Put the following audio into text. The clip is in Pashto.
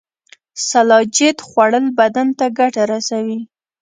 سلاجید خوړل بدن ته ګټه رسوي